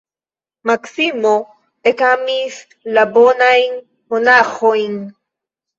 Maksimo ekamis la bonajn monaĥojn.